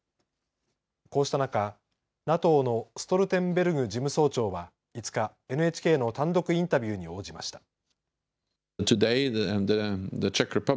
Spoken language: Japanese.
こうした中、ＮＡＴＯのストルテンベルグ事務総長は５日、ＮＨＫの単独インタビューに応じました。